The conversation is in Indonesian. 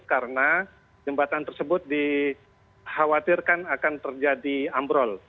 karena jembatan tersebut dikhawatirkan akan terjadi ambrol